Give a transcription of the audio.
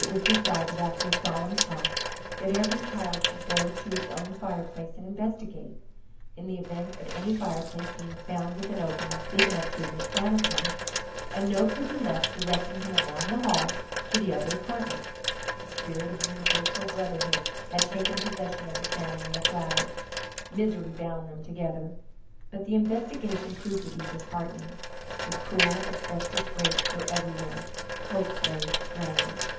It was decided, after a solemn talk, that every child should go to its own fireplace and investigate. In the event of any fireplace being found with an opening big enough to admit Santa Claus, a note could be left directing him along the halls to the other apartments. A spirit of universal brotherhood had taken possession of the Santa Maria flatters. Misery bound them together. But the investigation proved to be disheartening. The cruel asbestos grates were everywhere. Hope lay strangled!